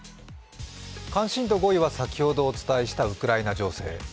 関心度５位は、先ほどお伝えしたウクライナ情勢。